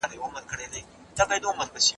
¬ غوټه چي په لاس خلاصېږي، غاښ ته څه حاجت دئ؟